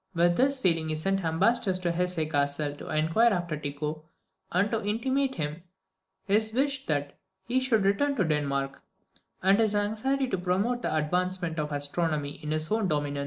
With this feeling he sent ambassadors to Hesse Cassel to inquire after Tycho, and to intimate to him his wish that he should return to Denmark, and his anxiety to promote the advancement of astronomy in his own dominions.